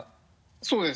そうです。